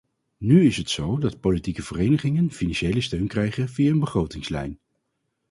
Nu is het zo dat politieke verenigingen financiële steun krijgen via een begrotingslijn.